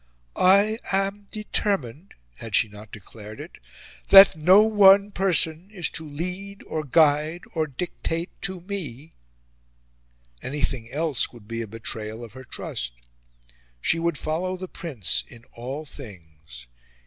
"I am DETERMINED" had she not declared it? "that NO ONE person is to lead or guide or dictate to ME;" anything else would be a betrayal of her trust. She would follow the Prince in all things.